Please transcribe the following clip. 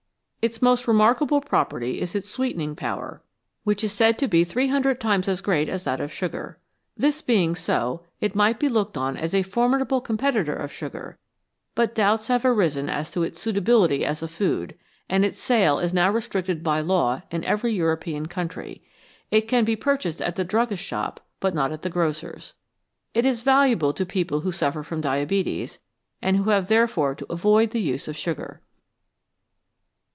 Its most remarkable property is its sweetening power, 288 VALUABLE SUBSTANCES which is said to be three hundred times as great as that of sugar. This being so, it might be looked on as a formidable competitor of sugar, but doubts have arisen as to its suita bility as a food, and its sale is now restricted by law in every European country ; it can be purchased at the druggist's shop, but not at the grocer's. It is valuable to people who suffer from diabetes, and who have therefore to avoid the use of sugar.